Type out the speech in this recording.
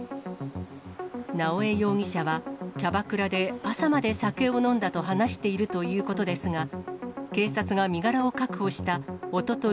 直江容疑者は、キャバクラで朝まで酒を飲んだと話しているということですが、警察が身柄を確保したおととい